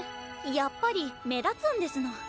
やっぱり目立つんですの。